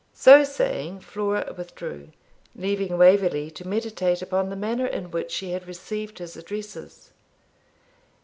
So saying Flora withdrew, leaving Waverley to meditate upon the manner in which she had received his addresses.